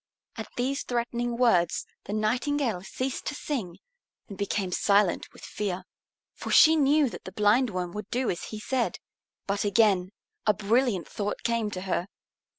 At these threatening words the Nightingale ceased to sing and became silent with fear. For she knew that the Blindworm would do as he said. But again a brilliant thought came to her.